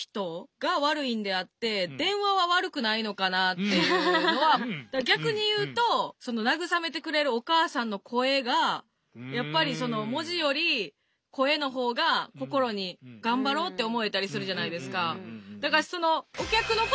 ちょっといろいろお話聞かしてもらってだから逆に言うとその慰めてくれるお母さんの声がやっぱりその文字より声の方が心に頑張ろうって思えたりするじゃないですか。